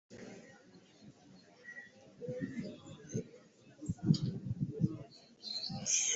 Anauza njugu karanga